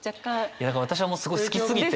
だから私はもうすごい好きすぎて。ですよね。